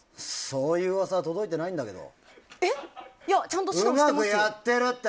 そういう噂は届いてないんだけど。